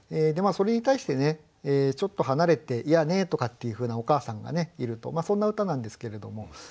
それに対してちょっと離れて「いやね」とかっていうふうなお母さんがいるとまあそんな歌なんですけれども。